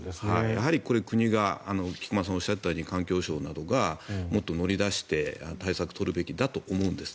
やはり国が菊間さんがおっしゃったように環境省などがもっと乗り出して対策を取るべきだと思うんです。